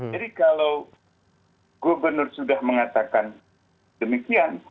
jadi kalau gubernur sudah mengatakan demikian